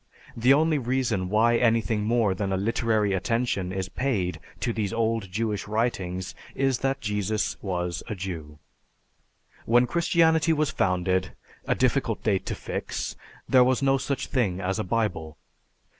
The only reason why anything more than a literary attention is paid to these old Jewish writings is that Jesus was a Jew. When Christianity was founded a difficult date to fix there was no such thing as a Bible.